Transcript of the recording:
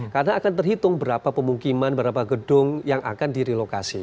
karena akan terhitung berapa pemukiman berapa gedung yang akan direlokasi